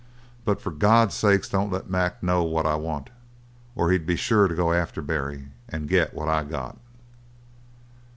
But for God's sake don't let Mac know what I want, or he'd be sure to go after Barry and get what I got.'"